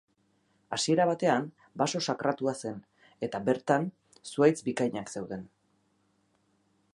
Hasiera batean, baso sakratua zen eta bertan zuhaitz bikainak zeuden.